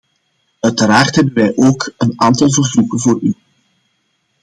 Uiteraard hebben wij ook een aantal verzoeken voor u.